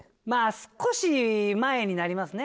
少し前になりますね